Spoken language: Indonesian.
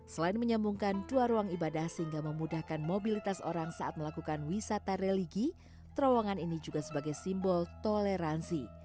selain menyambungkan dua ruang ibadah sehingga memudahkan mobilitas orang saat melakukan wisata religi terowongan ini juga sebagai simbol toleransi